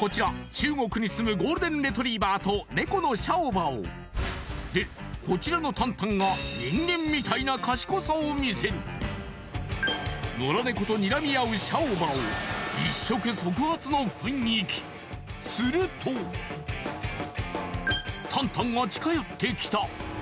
中国に住むゴールデン・レトリーバーとネコのシャオバオでこちらのタンタンが人間みたいな賢さを見せるノラネコとにらみ合うシャオバオの雰囲気するとタンタンが近寄ってきた